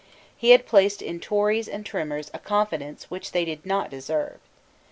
He had placed in Tories and Trimmers a confidence which they did not deserve.